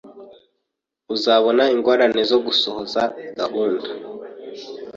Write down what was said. Uzabona ingorane zo gusohoza gahunda.